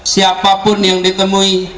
siapapun yang ditemui